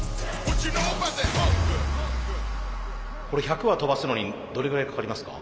これ１００羽飛ばすのにどれぐらいかかりますか？